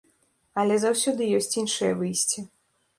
Але заўсёды ёсць іншае выйсце.